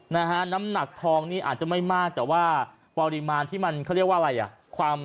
นะฮะน้ำหนักทองนี่อาจจะไม่มากแต่ว่าปริมาณที่มันเขาเรียกว่าอะไรอ่ะความ